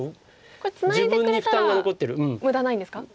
これツナいでくれたら無駄ないんですか？